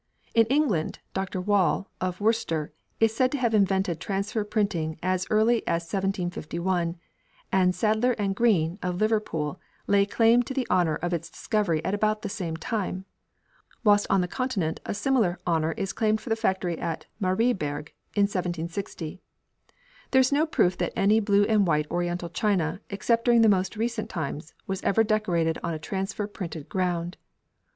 In England, Dr. Wall, of Worcester, is said to have invented transfer printing as early as 1751, and Sadler and Green, of Liverpool, lay claim to the honour of its discovery at about the same time, whilst on the Continent a similar honour is claimed for the factory at Marieberg in 1760. There is no proof that any blue and white Oriental china, except during the most recent times, was ever decorated on a transfer printed ground.